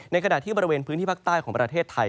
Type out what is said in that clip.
ขณะที่บริเวณพื้นที่ภาคใต้ของประเทศไทย